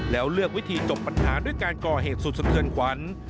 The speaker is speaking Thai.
แล้วเลือกวิธีจบปัญหาด้วยการก่อเหตุสุดสะเทือนขวัญ